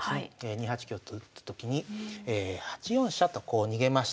２八香と打ったときに８四飛車とこう逃げました。